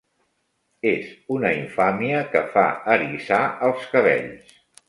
És una infàmia que fa eriçar els cabells